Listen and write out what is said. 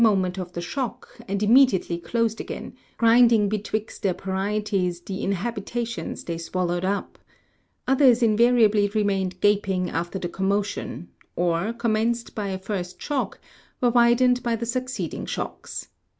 moment of the shock, and immediately closed again, grinding be twixt their parietes the habitations they swallowed up ; others in variably remained gaping after the commotion, or, commenced by a first shock, were widened by succeeding shocks.